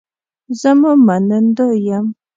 زه مو منندوی یم